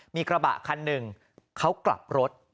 มีกระบะคันหนึ่งเขากลับรถ